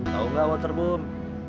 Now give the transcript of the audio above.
tau gak waterboom